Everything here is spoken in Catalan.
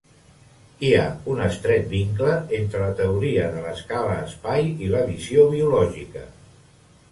Hi ha un estret vincle entre la teoria de l'escala-espai i la visió biològica.